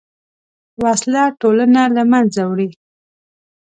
وسله ټولنه له منځه وړي